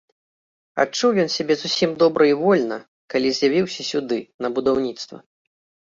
Адчуў ён сябе зусім добра і вольна, калі з'явіўся сюды, на будаўніцтва.